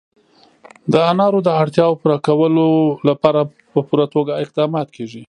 د انارو د اړتیاوو پوره کولو لپاره په پوره توګه اقدامات کېږي.